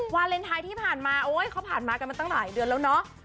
วาเลนไทยที่ผ่านมาโอ๊ยเขาผ่านมากันมาตั้งหลายเดือนแล้วเนาะ